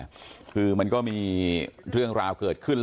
เชิงชู้สาวกับผอโรงเรียนคนนี้